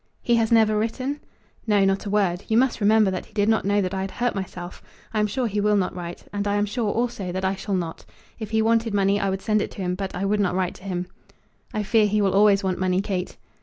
"He has never written?" "No; not a word. You must remember that he did not know that I had hurt myself. I am sure he will not write, and I am sure, also, that I shall not. If he wanted money I would send it to him, but I would not write to him." "I fear he will always want money, Kate."